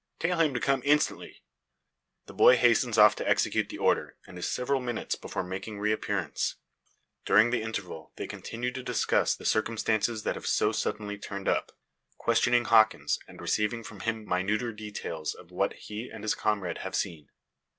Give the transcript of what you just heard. "Tell him to come instantly!" The boy hastens off to execute the order; and is several minutes before making re appearance. During the interval, they continue to discuss the circumstances that have so suddenly turned up; questioning Hawkins, and receiving from him minuter details of what he and his comrade have seen.